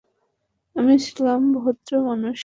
আমি ছিলাম ভদ্র মানুষ।